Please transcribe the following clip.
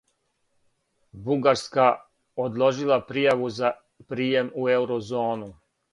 Бугарска одложила пријаву за пријем у еурозону